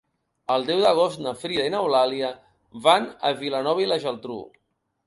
El deu d'agost na Frida i n'Eulàlia van a Vilanova i la Geltrú.